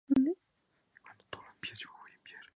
Lo que había sido un plácido refugio dejó de serlo de pronto.